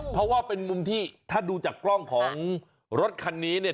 เพราะว่าเป็นมุมที่ถ้าดูจากกล้องของรถคันนี้เนี่ย